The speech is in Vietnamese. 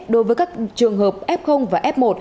đối với các trường hợp f và f một